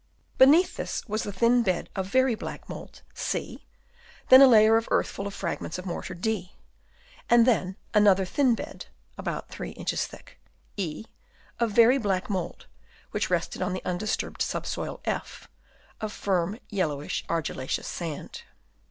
Beneath this was a thin bed of very black mould (C), then a layer of earth full of fragments of mortar (D), and then another thin bed (about 3 inches thick) (E) of very black mould, which rested on the undisturbed subsoil (F) of firm, yellowish, argillaceous sand.